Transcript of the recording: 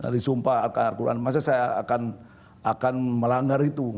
disumpah akar al quran masa saya akan melanggar itu